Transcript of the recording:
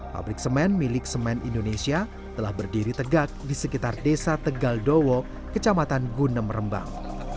pabrik semen milik semen indonesia telah berdiri tegak di sekitar desa tegal dowo kecamatan gunem rembang